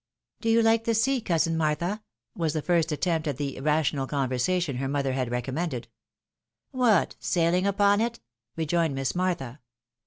" Do you like the sea, coi^in Martha ?" was the first attempt at the "rational conversation" her mother had re commended. " What, sailing upon it?" rejoined Miss Martha.